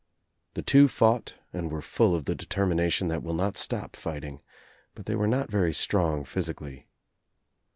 The two fought and were full of the determination that will not stop fighting, but they were not very strong physically.